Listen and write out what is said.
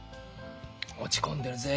落ち込んでるぜ。